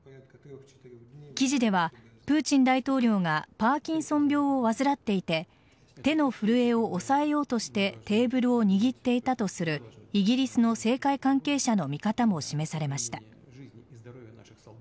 記事ではプーチン大統領がパーキンソン病を患っていて手の震えを抑えようとしてテーブルを握っていたとするイギリスの政界関係者の見方も示されました。